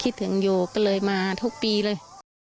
คิดถึงอยู่ก็เลยมาทุกปีเลย